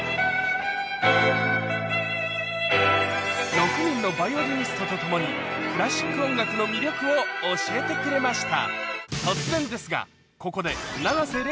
６人のバイオリニストと共にクラシック音楽の魅力を教えてくれました